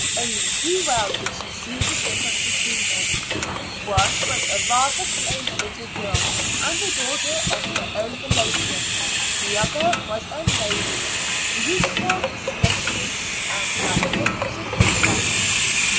Only too well did she see the difference between them. One was a rather plain little girl, the daughter of her own relation; the other was a lady, beautiful, stately, and magnificently dressed.